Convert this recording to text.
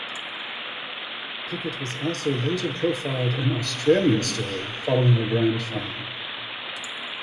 Pickett was also later profiled in "Australian Story" following the Grand Final.